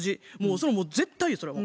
それはもう絶対やそれはもう。